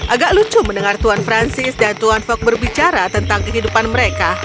agak lucu mendengar tuan francis dan tuan fok berbicara tentang kehidupan mereka